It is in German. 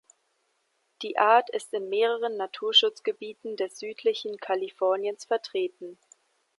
Die Art ist in mehreren Naturschutzgebieten des südlichen Kaliforniens vertreten.